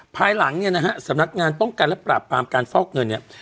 ภายหลังเนี่ยนะฮะสำนักงานป้องกันและปราบปรามการฟอกเงินเนี่ย